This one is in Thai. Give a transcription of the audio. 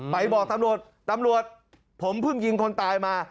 บอกตำรวจตำรวจผมเพิ่งยิงคนตายมา